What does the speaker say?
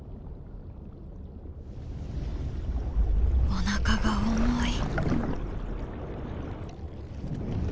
「おなかが重い」。